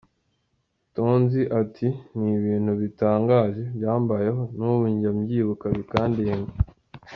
Tonzi ati, “N’ibintu bitangaje byambayeho n’ubu njya byibuka bikandenga”.